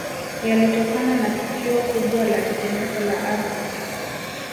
Yalitokana na tukio kubwa la tetemeko la Ardhi